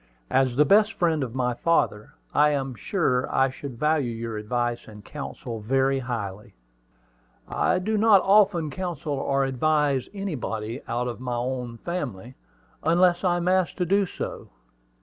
"As the best friend of my father, I am sure I should value your advice and counsel very highly." "I do not often counsel or advise anybody out of my own family, unless I am asked to do so.